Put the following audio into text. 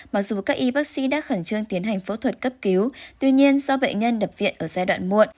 mặc dù các y bác sĩ đã khẩn trương tiến hành phẫu thuật cấp cứu tuy nhiên do bệnh nhân đập viện ở giai đoạn muộn